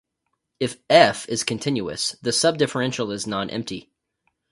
If "f" is continuous, the subdifferential is nonempty.